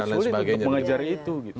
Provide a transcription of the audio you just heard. akan sangat sulit untuk mengajar itu